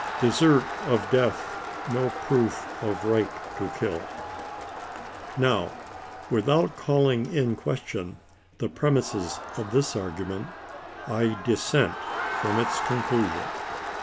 DESERT OF DEATH NO PROOF OF RIGHT TO KILL. Now without calling in question the premises of this argu ment, I dissent from its conclusion.